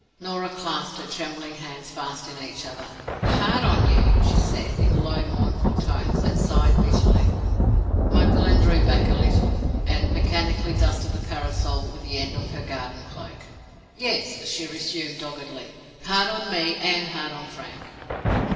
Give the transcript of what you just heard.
Norah clasped her trembling hands fast in each other. "Hard on you!" she said, in low, mournful tones—and sighed bitterly. Magdalen drew back a little, and mechanically dusted the parasol with the end of her garden cloak. "Yes!" she resumed, doggedly. "Hard on me and hard on Frank."